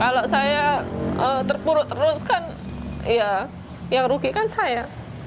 kalau saya terpuruk terus kan ya yang rugi kan saya